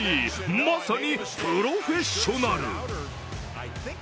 まさにプロフェッショナル。